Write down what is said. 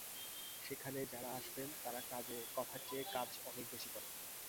সেখানে যাঁরা আসবেন, তাঁরা কথার চেয়ে কাজ অনেক বেশি করেন।